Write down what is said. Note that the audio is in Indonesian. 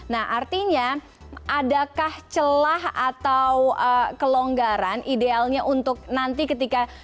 nah artinya adakah celah atau kelonggaran idealnya untuk nanti ketika